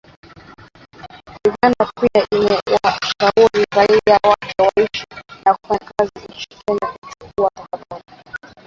Uganda pia imewashauri raia wake wanaoishi na kufanya kazi nchini Kenya kuchukua tahadhari.